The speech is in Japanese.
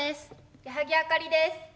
矢作あかりです。